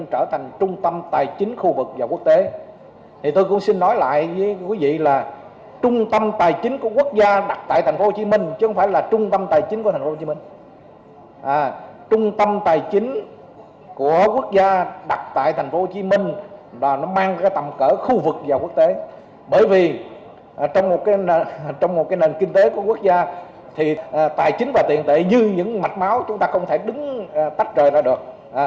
trong một nền kinh tế của quốc gia tài chính và tiện tệ như những mạch máu chúng ta không thể đứng tách rời ra được